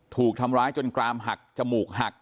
ถูกทำร้ายจนกรามหักจมูกหัก